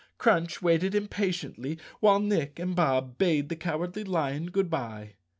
Crunch waited impatiently while Nick and Bob bade the Cowardly Lion good bye.